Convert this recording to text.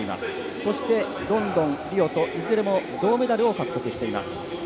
そしてロンドン、リオといずれも銅メダルを獲得しています。